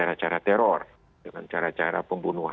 dan bersifat teritorial karena memang teroris teritorial organik